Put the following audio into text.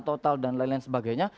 kita sudah total dan lain lain sebagainya